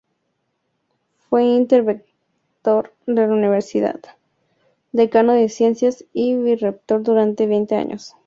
Fue interventor de la Universidad, decano de Ciencias y vicerrector durante veinte años.